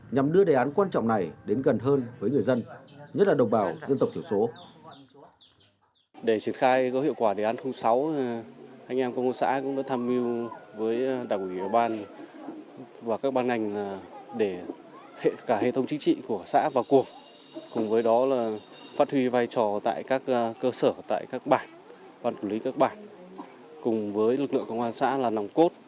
nhằm đưa đề án quan trọng này đến gần hơn với người dân nhất là đồng bào dân tộc thiểu số